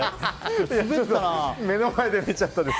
目の前で見ちゃったので。